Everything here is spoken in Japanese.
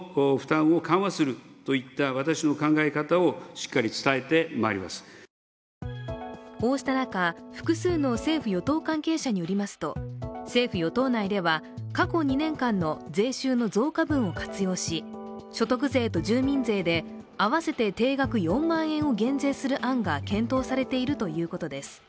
特に、焦点となっている所得税減税の議論についてはこうした中、複数の政府・与党関係者によりますと政府・与党内では、過去２年間の税収の増加分を活用し、所得税と住民税で合わせて定額４万円を減税する案が検討されているということです。